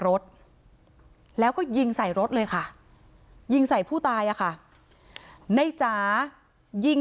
รถแล้วก็ยิงใส่รถเลยค่ะยิงใส่ผู้ตายอะค่ะในจ๋ายิง